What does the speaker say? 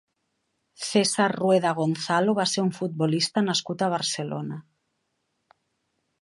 César Rueda Gonzalo va ser un futbolista nascut a Barcelona.